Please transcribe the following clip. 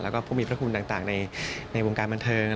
แล้วก็ผู้มีพระคุณต่างในวงการบันเทิง